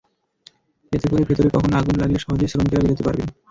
এতে করে ভেতরে কখনো আগুন লাগলে সহজেই শ্রমিকেরা বের হতে পারবেন।